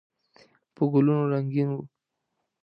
په ګلونو رنګین و.